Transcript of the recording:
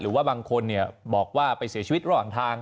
หรือว่าบางคนบอกว่าไปเสียชีวิตระหว่างทาง